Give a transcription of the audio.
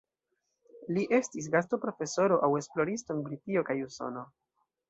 Li estis gastoprofesoro aŭ esploristo en Britio kaj Usono.